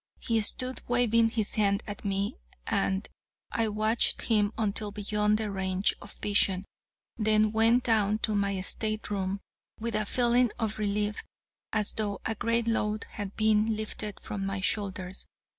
He stood waving his hand at me, and I watched him until beyond the range of vision, then went down to my state room, with a feeling of relief, as though a great load had been lifted from my shoulders.